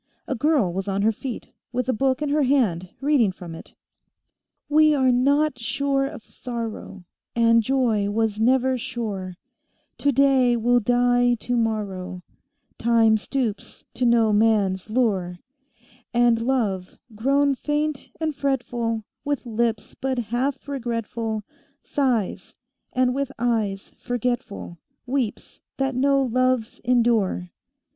A girl was on her feet, with a book in her hand, reading from it: "We are not sure of sorrow; And joy was never sure; Today will die tomorrow; Time stoops to no man's lure; And love, grown faint and fretful With lips but half regretful Sighs, and with eyes forgetful Weeps that no loves endure."